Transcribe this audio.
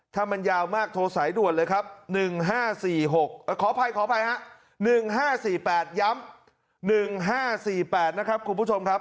ถ้ามันยาวมากโทรสายด่วนเลยครับ๑๕๔๖ขออภัยขออภัยฮะ๑๕๔๘ย้ำ๑๕๔๘นะครับคุณผู้ชมครับ